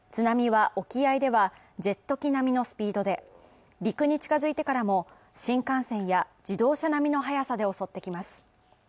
津波は沖合ではジェット機並みのスピードで陸に近づいてからも新幹線や自動車並みの速さで襲ってきます